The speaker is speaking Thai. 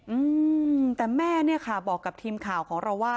อืมแต่แม่เนี่ยค่ะบอกกับทีมข่าวของเราว่า